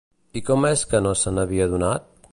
I com és que no se n'havia adonat?